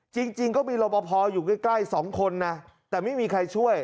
จริงก็มีรบพออยู่ใกล้สองคนนะแต่ไม่มีใครช่วย